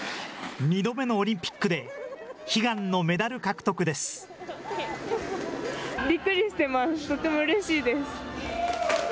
２度目のオリンピックで、悲願のメダル獲得です。